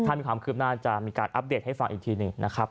ถ้ามีความคืบหน้าจะมีการอัปเดตให้ฟังอีกทีหนึ่งนะครับ